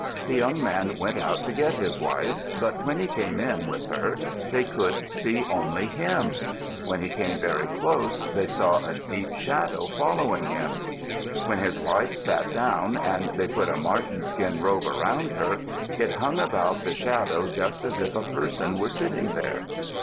The young man went out to get his wife, but when he came in, with her, they could see only him. When he came very close, they saw a deep shadow following him. When his wife sat down and they put a marten skin robe around her, it hung about the shadow just as if a person were sitting there.